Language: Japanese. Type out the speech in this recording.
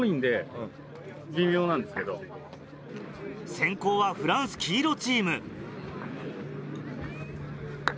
先攻はフランス黄色チーム。